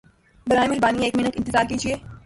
برائے مہربانی ایک منٹ انتظار کیجئیے!